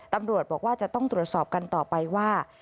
ตำรวจบอกว่าจะต้องตรวจสอบกันต่อไปว่า